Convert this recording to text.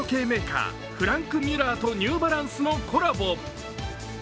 メーカーフランクミュラーとニューバランスのコラボ。